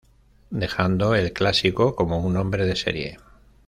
Dejando el "Clásico" como un nombre de serie.